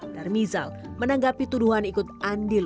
darmizal menanggapi tuduhan ikut andil